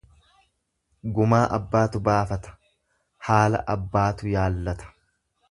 Gumaa abbaatu baafata, haala abbaatu yaallata.